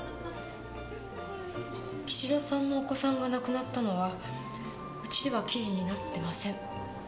岸田さんのお子さんが亡くなったのはウチでは記事になってません。